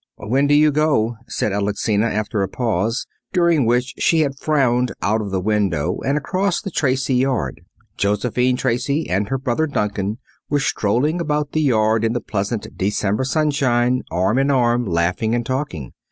"When do you go?" said Alexina, after a pause, during which she had frowned out of the window and across the Tracy yard. Josephine Tracy and her brother Duncan were strolling about the yard in the pleasant December sunshine, arm in arm, laughing and talking.